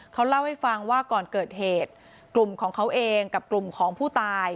เขาเล่าให้ฟังว่าก่อนเกิดเหตุกลุ่มของเขาเองกับกลุ่มของผู้ตาย